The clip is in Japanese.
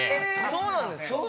そうなんですか？